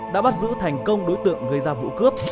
đã bắt giữ thành công đối tượng gây ra vụ cướp